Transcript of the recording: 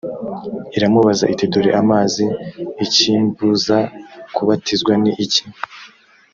iramubaza iti dore amazi ikimbuza kubatizwa ni iki‽